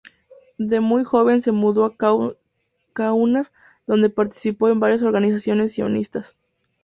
De muy joven se mudó a Kaunas, donde participó en varias organizaciones sionistas.